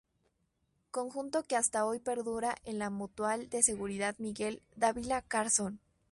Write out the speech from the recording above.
Conjunto que hasta hoy perdura en la Mutual de Seguridad Miguel Dávila Carson.